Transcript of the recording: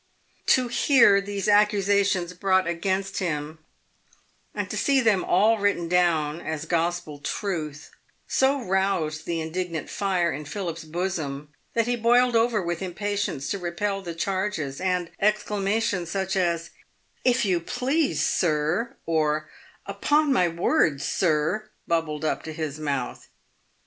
To hear these accu sations brought against him, and to see them all written down as gospel truth, so roused the indignant fire in Phil's bosom, that he boiled over with impatience to repel the charges, and exclamations such as "If you please, sir," or " Upon my word, sir," bubbled up to his mouth.